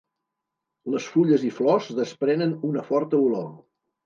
Les fulles i flors desprenen una forta olor.